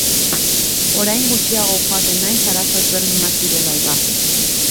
Orain gutxiago joaten naiz arazo ezberdinak direla eta.